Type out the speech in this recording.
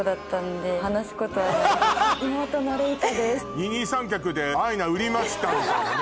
二人三脚でアイナ売りましたみたいなね。